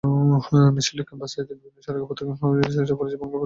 মিছিলটি ক্যাম্পাসের বিভিন্ন সড়ক প্রদক্ষিণ শেষে অপরাজেয় বাংলার পাদদেশে এসে শেষ হয়।